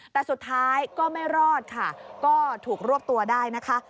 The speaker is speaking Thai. แต่สุดท้ายก็ไม่รอดค่ะก็ถูกรวบตัวได้นะคะ